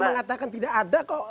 mengatakan tidak ada kok